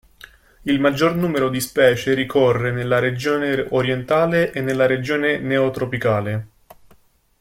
Il maggior numero di specie ricorre nella regione orientale e nella regione neotropicale.